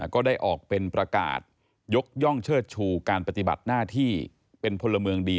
ก็ได้ออกเป็นประกาศยกย่องเชิดชูการปฏิบัติหน้าที่เป็นพลเมืองดี